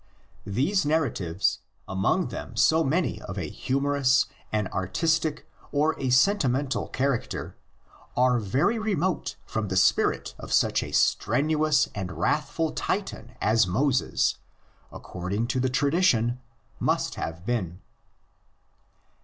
These narratives, among them so many of a humorous, an artistic, or a senti mental character, are very remote from the spirit of such a strenuous and wrathful Titan as Moses, according to the tradition, must have been.